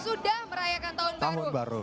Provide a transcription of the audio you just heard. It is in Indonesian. sudah merayakan tahun baru